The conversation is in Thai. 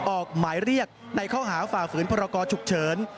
ออกหมายเรียกในข้อหาฝ่าฝืนพรกรฉุกเฉิน